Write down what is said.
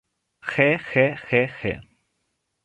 He he he he!